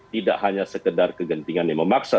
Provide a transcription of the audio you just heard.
tidak hanya sekedar kegentingan yang memaksa